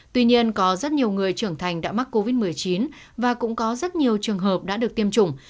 tuy nhiên có rất nhiều người trưởng thành đã mắc covid một mươi chín và cũng có rất nhiều trường hợp đã được tiêm chủng